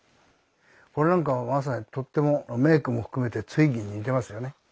これなんかはまさにとってもメークも含めてツイッギーに似てますよね。